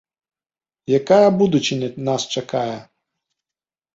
Якая будучыня нас чакае?